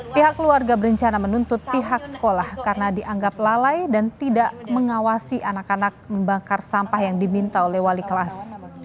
pihak keluarga berencana menuntut pihak sekolah karena dianggap lalai dan tidak mengawasi anak anak membakar sampah yang diminta oleh wali kelas